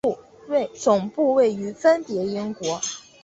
总部位于分别英国。